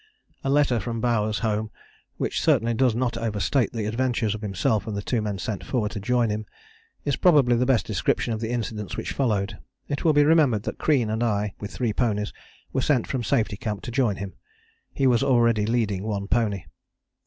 " A letter from Bowers home, which certainly does not overstate the adventures of himself and the two men sent forward to join him, is probably the best description of the incidents which followed. It will be remembered that Crean and I with three ponies were sent from Safety Camp to join him: he was already leading one pony.